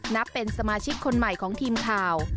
นับเป็นสมาชิกคนใหม่ของทีมข่าว